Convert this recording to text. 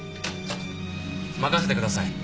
任せてください。